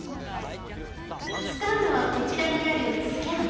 使うのはこちらにある「スキャン」。